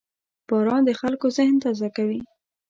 • باران د خلکو ذهن تازه کوي.